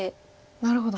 なるほど。